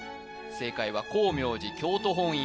正解は光明寺京都本院